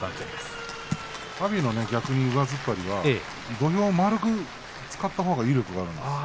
阿炎の上突っ張りが土俵を丸く使ったほうが威力があるんです。